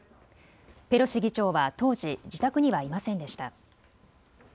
ペロシ議長は当時、自宅にはいませんでした。